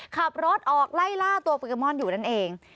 ขับรถออกไล่ล่าตัวโปเกมอนอยู่นั่นเอง